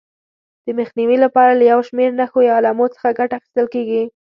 د مخنیوي لپاره له یو شمېر نښو یا علامو څخه ګټه اخیستل کېږي.